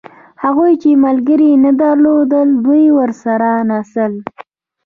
هغوی چې ملګري یې نه درلودل دوی ورسره نڅل.